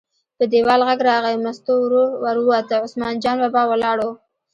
په دیوال غږ راغی، مستو ور ووته، عثمان جان باچا ولاړ و.